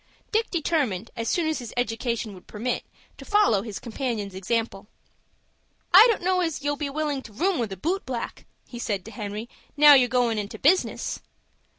Dick determined, as soon as his education would permit, to follow his companion's example. "I don't know as you'll be willin' to room with a boot black," he said, to Henry, "now you're goin' into business."